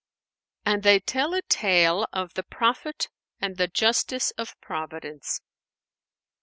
'" And they tell a tale of THE PROPHET AND THE JUSTICE OF PROVIDENCE.